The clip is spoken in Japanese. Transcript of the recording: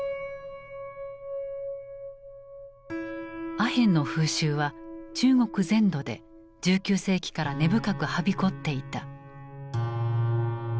阿片の風習は中国全土で１９世紀から根深くはびこっていた。